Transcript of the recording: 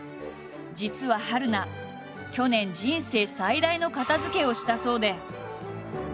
実は春菜去年人生最大の片づけをしたそうで。